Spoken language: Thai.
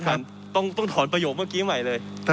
ท่านประธานต้องถอนประโยคเมื่อกี้ใหม่เลย